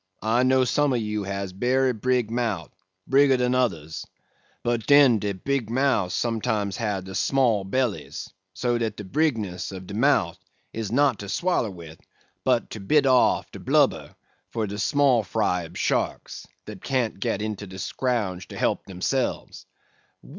I know some o' you has berry brig mout, brigger dan oders; but den de brig mouts sometimes has de small bellies; so dat de brigness of de mout is not to swaller wid, but to bit off de blubber for de small fry ob sharks, dat can't get into de scrouge to help demselves."